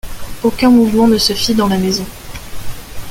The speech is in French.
Aucun mouvement ne se fit dans la maison.